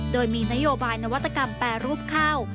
โดยมีนโยบายนวัตกรรมแปรรูปข้าว